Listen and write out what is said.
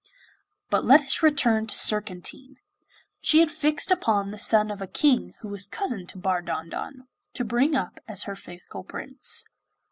But let us return to Surcantine. She had fixed upon the son of a king who was cousin to Bardondon, to bring up as her fickle Prince.